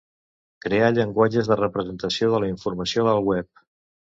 Crear llenguatges de representació de la informació al web.